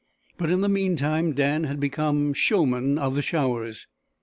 But in the meantime Dan had become Showman of the Showers.